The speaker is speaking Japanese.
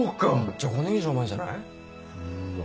じゃ５年以上前じゃない？うわ。